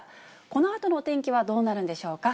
このあとの天気はどうなるんでしょうか。